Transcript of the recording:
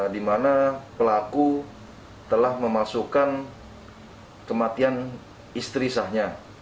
di mana pelaku telah memasukkan kematian istri sahnya